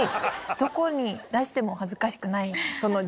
どこに出しても恥ずかしくない。